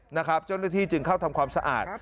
นะครับจนด้วยที่จึงเข้าทำความสะอาด